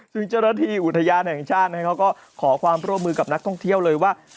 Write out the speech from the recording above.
ซึ่งเจ้าหน้าที่อุทยานแห่งชาติเขาก็ขอความร่วมมือกับนักท่องเที่ยวเลยว่า